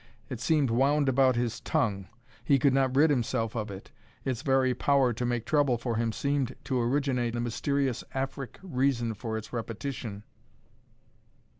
It seemed wound about his tongue. He could not rid himself of it. Its very power to make trouble for him seemed to originate the mysterious Afric reason for its repetition.